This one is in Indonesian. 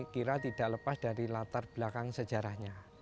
kira tidak lepas dari latar belakang sejarahnya